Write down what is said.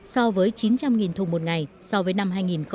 so với chín trăm linh thùng một ngày so với năm hai nghìn một mươi bảy